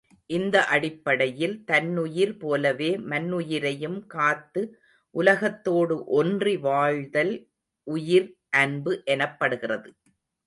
இந்த அடிப்படையில், தன்னுயிர் போலவே மன்னுயிரையும் காத்து உலகத்தோடு ஒன்றி வாழ்தல் உயிர் அன்பு எனப்படுகிறது.